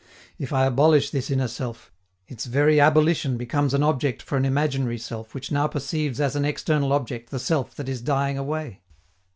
If I abolish this inner self, its very abolition becomes an object for an imaginary self which now perceives as an external object the self that is dying away.